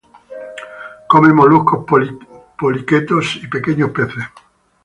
Come moluscos, poliquetos y pequeños peces.